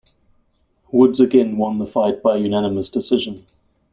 Woods again won the fight by unanimous decision.